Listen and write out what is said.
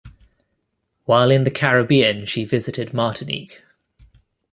While in the Caribbean, she visited Martinique.